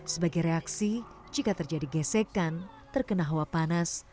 sebagai reaksi jika terjadi gesekan terkena hawa panas